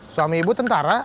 suami ibu tentara